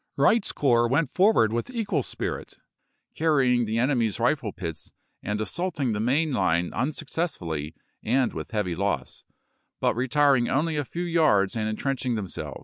Wright's corps went forward with equal spirit, carrying the enemy's rifle pits and assaulting the main line unsuccessfully and with heavy loss, but retiring only a few yards and intrenching them VoL.